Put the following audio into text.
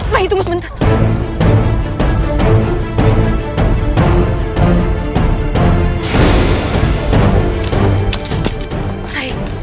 rai tunggu sebentar